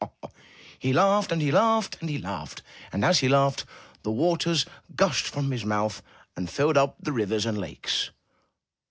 *'Hah, hah! Hah, hah! Hah, hah!'' He laughed and he laughed and he laughed, and, as he laughed, the waters gushed forth from his mouth and filled up the rivers and lakes.